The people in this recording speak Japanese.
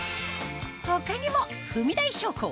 他にも踏み台昇降